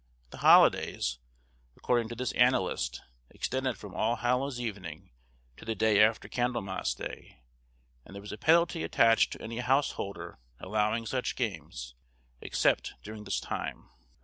The holidays, according to this annalist, extended from All Hallows Evening to the day after Candlemas Day, and there was a penalty attached to any householder allowing such games, except during this time.